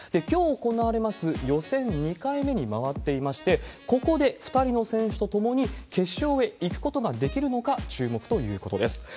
きょう行われます予選２回目に回っていまして、ここで２人の選手と共に決勝へ行くことができるのか、注目ということです。